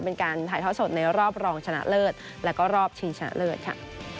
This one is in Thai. เป็นการถ่ายทอดสดในรอบรองชนะเลิศแล้วก็รอบชิงชนะเลิศค่ะ